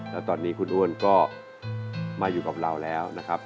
แล้วตอนนี้คุณอ้วนก็มาอยู่กับเราแล้วนะครับ